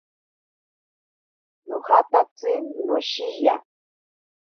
Nojatatsi noshiya.